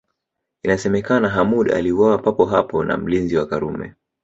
Inasemekana Hamoud aliuawa papo hapo na mlinzi wa Karume